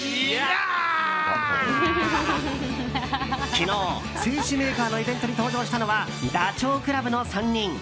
昨日、製紙メーカーのイベントに登場したのはダチョウ倶楽部の３人。